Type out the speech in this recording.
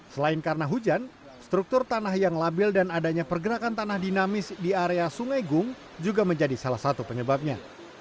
selain karena hujan struktur tanah yang labil dan adanya pergerakan tanah dinamis di area sungai gung juga menjadi salah satu penyebabnya